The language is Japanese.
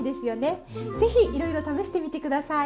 ぜひいろいろ試してみて下さい！